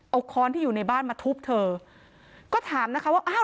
เอาค้อนที่อยู่ในบ้านมาทุบเธอก็ถามนะคะว่าอ้าว